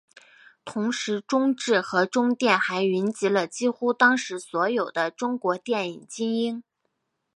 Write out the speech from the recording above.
同时中制和中电还云集了几乎当时所有的中国电影精英。